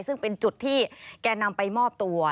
ซึ่งเป็นจุดที่แกนำไปมอบตัว